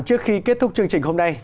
trước khi kết thúc chương trình hôm nay